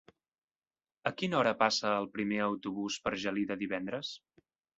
A quina hora passa el primer autobús per Gelida divendres?